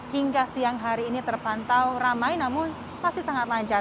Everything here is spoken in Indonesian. hingga siang hari ini terpantau ramai namun masih sangat lancar